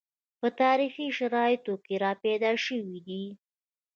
په تاریخي شرایطو کې راپیدا شوي دي